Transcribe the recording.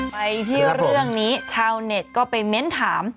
ไปที่เรื่องนี้ชาวเน็ตก็ไปเม้นถาม